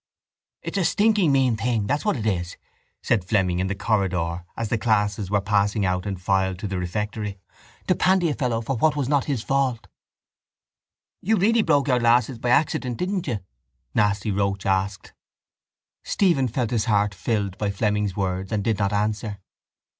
—It's a stinking mean thing, that's what it is, said Fleming in the corridor as the classes were passing out in file to the refectory, to pandy a fellow for what is not his fault. —You really broke your glasses by accident, didn't you? Nasty Roche asked. Stephen felt his heart filled by Fleming's words and did not answer.